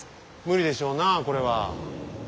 無理でしょうなあこれは。